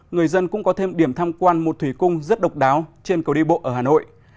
người dân cũng có thêm điểm tham quan một thủy cung rất độc đáo trên cầu đi bộ ở hà nội